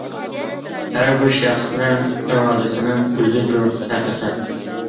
ھەربىر شەخسنىڭ ئىرادىسىنىڭ ئۆزى بىر ھەقىقەت!